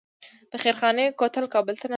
د خیرخانې کوتل کابل ته ننوځي